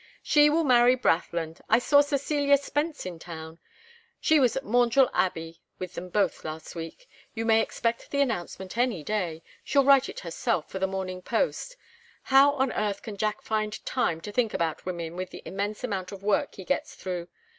"She will marry Brathland. I saw Cecilia Spence in town. She was at Maundrell Abbey with them both last week. You may expect the announcement any day she'll write it herself for the Morning Post. How on earth can Jack find time to think about women with the immense amount of work he gets through?